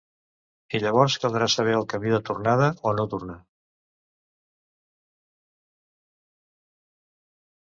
I llavors caldrà saber el camí de tornada o no tornar.